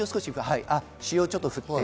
塩をちょっと振って。